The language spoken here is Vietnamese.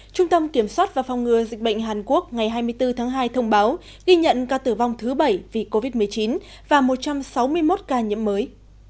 trung tâm kiểm soát và phòng ngừa dịch bệnh hàn quốc ngày hai mươi bốn tháng hai thông báo ghi nhận ca tử vong thứ bảy vì covid một mươi chín và một trăm sáu mươi một ca nhiễm mới